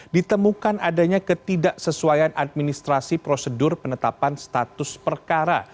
ditemukan adanya ketidaksesuaian administrasi prosedur penetapan status perkara